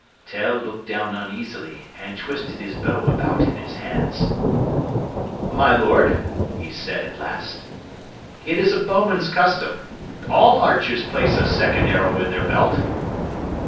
Tell looked down uneasily, and twisted his bow about in his hands. "My lord," he said at last, "it is a bowman's custom. All archers place a second arrow in their belt."